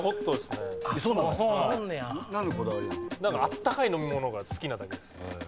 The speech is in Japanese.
あったかい飲み物が好きなだけです。